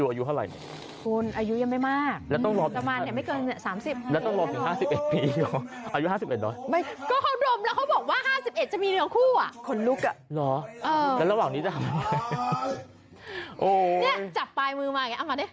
อายุ๕๑จะมีแฟนคนนั้นที่อยู่ในแค่เท่า